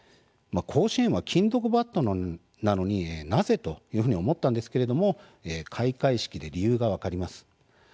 甲子園は金属バットなのになぜ？というふうに思ったんですけれども開会式で理由が分かります。